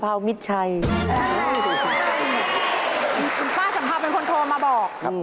ป้าสังภาพเป็นคนโทรมาบอกนะครับ